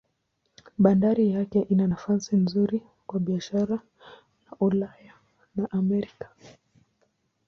Bandari yake ina nafasi nzuri kwa biashara na Ulaya na Amerika.